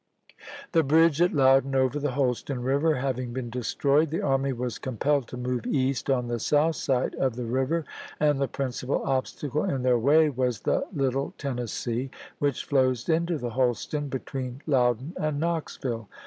p. 154.' The bridge at Loudon over the Holston River having been destroyed, the army was compelled to move east on the south side of the river, and the principal obstacle in their way was the Little Tennessee, which flows into the Holston between Loudon and Knoxville.